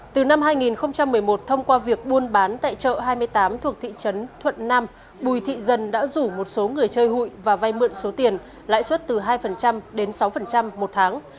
từ năm hai nghìn một mươi một thông qua việc buôn bán tại chợ hai mươi tám thuộc thị trấn thuận nam bùi thị dân đã rủ một số người chơi hụi và vay mượn số tiền lãi suất từ hai đến sáu một tháng